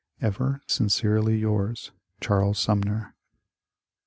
Every sincerely yours, Charles Sumner.